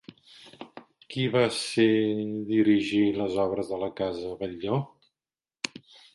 Qui va ser dirigir les obres de la casa Batlló?